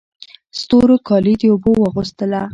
ستورو کالي د اوبو واغوستله